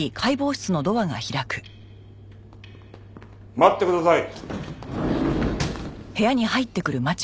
待ってください！